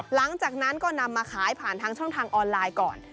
หลังจากนั้นก็นำมาขายผ่านทางช่องทางออนไลน์ก่อน